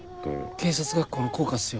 警察学校の校歌っすよ。